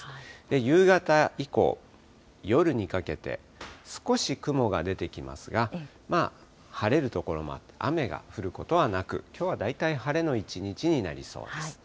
夕方以降、夜にかけて、少し雲が出てきますが、まあ、晴れる所もあって、雨が降ることはなく、きょうは大体晴れの一日になりそうです。